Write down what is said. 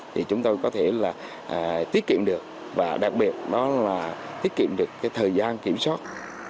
thì chúng tôi có thể là tiết kiệm được và đặc biệt đó là tiết kiệm được cái thời gian kiểm soát